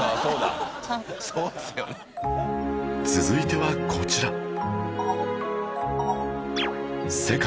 続いてはこちら